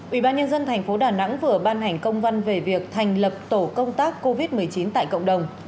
ủy ban nhân dân thành phố đà nẵng vừa ban hành công văn về việc thành lập tổ công tác covid một mươi chín tại cộng đồng